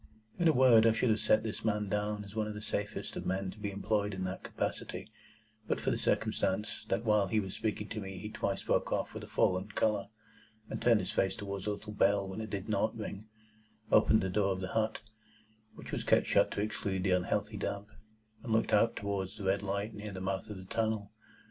In a word, I should have set this man down as one of the safest of men to be employed in that capacity, but for the circumstance that while he was speaking to me he twice broke off with a fallen colour, turned his face towards the little bell when it did NOT ring, opened the door of the hut (which was kept shut to exclude the unhealthy damp), and looked out towards the red light near the mouth of the tunnel.